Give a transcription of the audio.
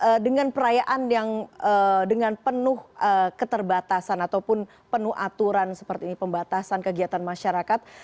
apakah dengan perayaan yang dengan penuh keterbatasan ataupun penuh aturan seperti ini pembatasan kegiatan masyarakat